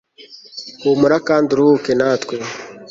Humura kandi uruhuke natwe